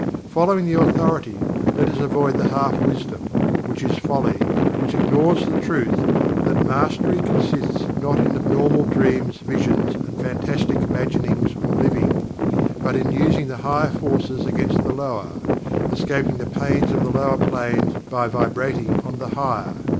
Following the authority, let us avoid the half wisdom (which is folly) which ignores the truth that: "Mastery consists not in abnormal dreams, visions, and fantastic imaginings or living, but in using the higher forces against the lower escaping the pains of the lower planes by vibrating on the higher."